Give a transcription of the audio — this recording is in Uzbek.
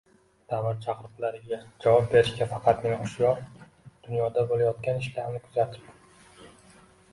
Davr chaqiriqlariga javob berishga faqatgina hushyor, dunyoda bo‘layotgan ishlarni kuzatib